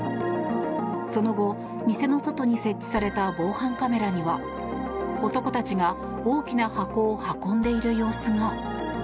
その後、店の外に設置された防犯カメラには男たちが大きな箱を運んでいる様子が。